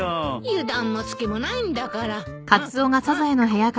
油断も隙もないんだから。